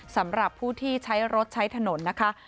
สำหรับผู้ที่ใช้รถใช้ถนนนะคะ